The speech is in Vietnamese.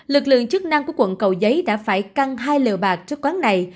lực lượng chức năng của quận cầu giấy đã phải căn hai lều bạc cho quán này